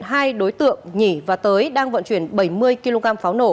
hai đối tượng nhỉ và tới đang vận chuyển bảy mươi kg